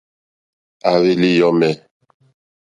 À hwèlì yɔ̀mɛ̀.